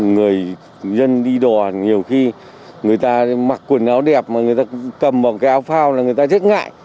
người dân đi đò nhiều khi người ta mặc quần áo đẹp mà người ta cầm một cái áo phao là người ta rất ngại